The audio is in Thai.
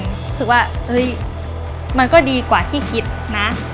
รู้สึกว่ามันก็ดีกว่าที่คิดนะ